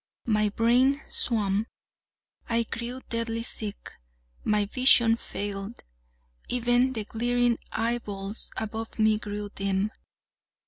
My brain swam—I grew deadly sick—my vision failed—even the glaring eyeballs above me grew dim.